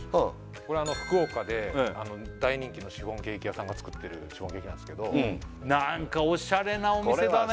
これ福岡で大人気のシフォンケーキ屋さんが作ってるシフォンケーキなんですけどなんかおしゃれなお店だね